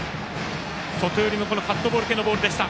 外寄りのカットボール系のボールでした。